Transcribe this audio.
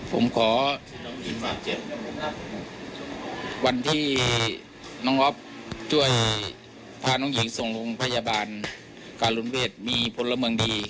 ผมขอวันที่น้องอ๊อฟช่วยพาน้องหญิงส่งลงพยาบาลการลุ้นเวชมีผลเมืองดี